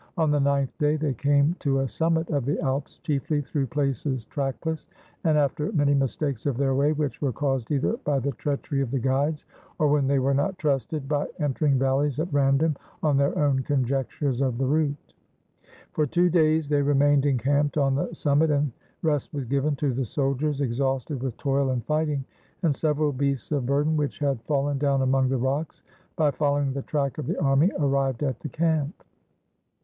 On the ninth day they came to a summit of the Alps, chiefly through places trackless; and after many mistakes of their way, which were caused either by the treachery of the guides, or, when they were not trusted, by entering valleys at random, on their own conjectures of the route. For two days they remained encamped on the summit; and rest was given to the soldiers, exhausted with toil and fighting: and several beasts of burden, which had fallen down among the rocks, by following the track of the army arrived at the camp.